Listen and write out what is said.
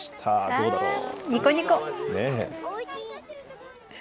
どうだろう。